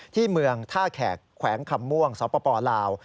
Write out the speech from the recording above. ที่เมืองท่าแขกแขวงคำม่วงสปลาว